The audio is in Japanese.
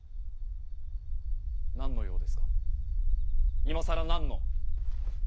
何の用ですか今更何の！